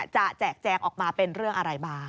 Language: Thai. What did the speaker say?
แจกแจงออกมาเป็นเรื่องอะไรบ้าง